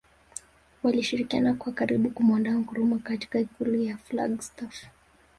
Walishirikiana kwa karibu kumuondoa Nkrumah katika ikulu ya Flagstaff